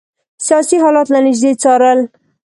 سیاسي حالات له نیژدې څارل.